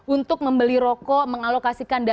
untuk membeli rokok